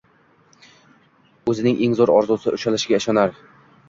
o’zining eng zo’r orzusi ushalishiga ishonar